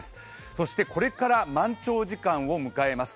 そしてこれから満潮時間を迎えます。